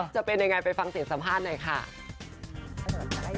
จะเป็นยังไงไปฟังเสียงสัมภาษณ์หน่อยค่ะ